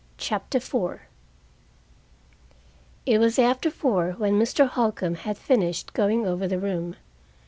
CHAPTER IV It was after four when Mr. Holcombe had finished going over the room.